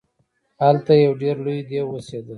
هلته یو ډیر لوی دیو اوسیده.